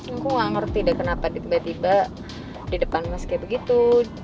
aku nggak ngerti deh kenapa tiba tiba di depan mas kayak begitu